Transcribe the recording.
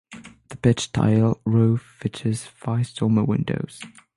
The pitched tile roof features fice dormer windows.